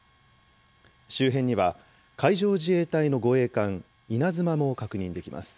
周辺には、海上自衛隊の護衛艦いなづまも確認できます。